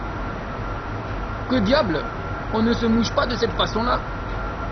Que diable ! on ne se mouche pas de cette façon-là !